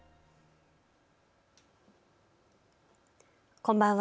こんばんは。